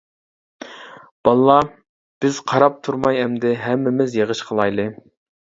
باللا بىز قاراپ تۇرماي ئەمدى ھەممىز يىغىش قىلايلى!